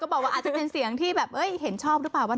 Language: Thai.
บอกว่าอาจจะเป็นเสียงที่แบบเห็นชอบหรือเปล่าว่า